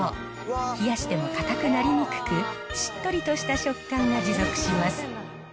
冷やしても固くなりにくく、しっとりとした食感が持続します。